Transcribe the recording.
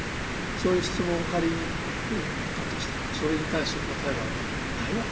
そういう質問を仮に持ったとしたらそれに対する答えはないわけですね。